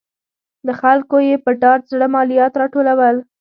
له خلکو یې په ډاډه زړه مالیات راټولول.